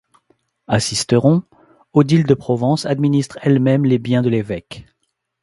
À Sisteron, Odile de Provence administre elle-même les biens de l’évêque.